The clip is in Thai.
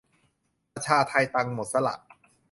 ประชาไท ตังค์หมดซะละ